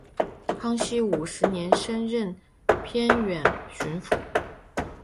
康熙五十年升任偏沅巡抚。